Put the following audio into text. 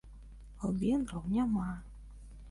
А у венграў няма!